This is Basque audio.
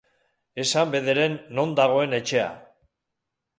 Esan bederen non dagoen etxea.